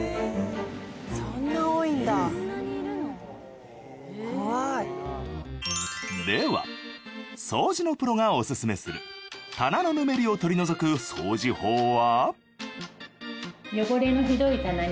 そんなにいるの？では掃除のプロがオススメする棚のぬめりを取り除く掃除法は？